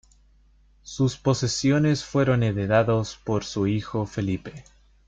Sus posesiones fueron heredados por su hijo Felipe.